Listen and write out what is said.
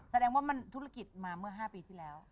แสดงว่ามันธุรกิจมาเมื่อ๕ปีที่แล้ว